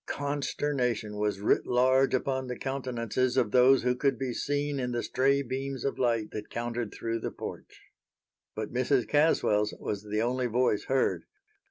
Consternation was writ large upon the countenances of those who could be seen in the stray beams of light that countered through the porch. But Mrs. Caswell's was the only voice heard.